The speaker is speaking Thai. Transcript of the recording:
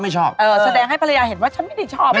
มันเป็นอะไร